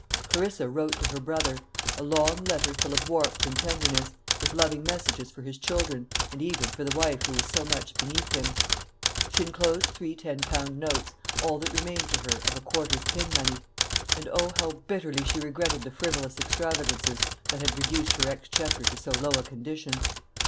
Clarissa wrote to her brother a long letter full of warmth and tenderness, with loving messages for his children, and even for the wife who was so much beneath him. She enclosed three ten pound notes, all that remained to her of a quarter's pin money; and O, how bitterly she regretted the frivolous extravagances that had reduced her exchequer to so low a condition!